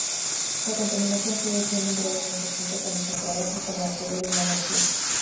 La contaminación sigue siendo un problema importante cuando se trabaja con material humano antiguo.